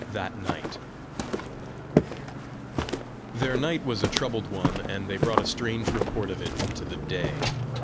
THAT NIGHT Their night was a troubled one, and they brought a strange report of it into the day.